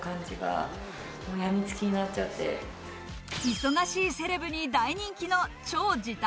忙しいセレブに大人気の超時短